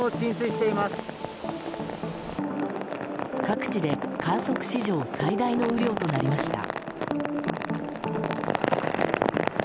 各地で観測史上最大の雨量となりました。